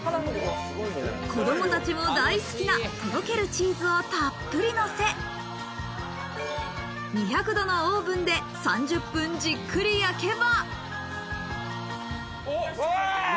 子供たちも大好きな、とろけるチーズをたっぷりのせ、２００度のオーブンで３０分じっくり焼けば。